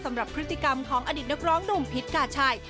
สำหรับพฤติกรรมของอดีตนักร้องหนุ่มพิษกาชัย